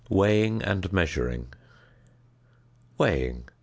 WEIGHING AND MEASURING. ~Weighing.